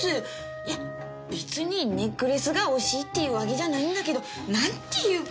いや別にネックレスが惜しいっていうわけじゃないんだけどなんていうか。